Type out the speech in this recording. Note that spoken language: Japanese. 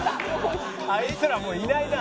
あいつらもういないな！